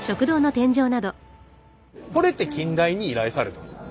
これって近大に依頼されたんですか？